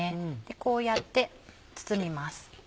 こうやって包みます。